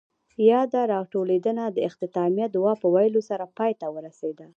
ياده راټولېدنه د اختتامیه دعاء پۀ ويلو سره پای ته ورسېده.